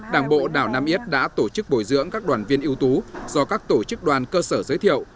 đảng bộ đảo nam yết đã tổ chức bồi dưỡng các đoàn viên ưu tú do các tổ chức đoàn cơ sở giới thiệu